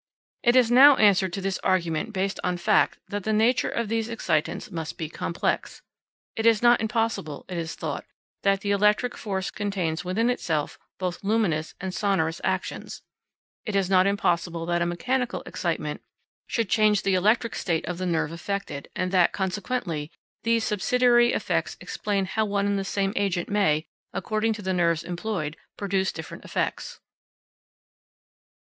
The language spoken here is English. It is now answered to this argument based on fact that the nature of these excitants must be complex. It is not impossible, it is thought, that the electric force contains within itself both luminous and sonorous actions; it is not impossible that a mechanical excitement should change the electric state of the nerve affected, and that, consequently, these subsidiary effects explain how one and the same agent may, according to the nerves employed, produce different effects.